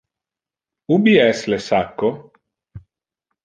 Ubi es le sacco?